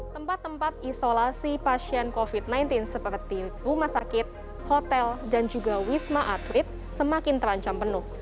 tempat tempat isolasi pasien covid sembilan belas seperti rumah sakit hotel dan juga wisma atlet semakin terancam penuh